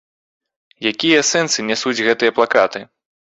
Якія сэнсы нясуць гэтыя плакаты?